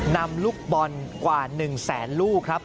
นำลูกบอลกว่า๑แสนลูกครับ